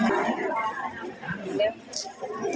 อย่างนี้หรอ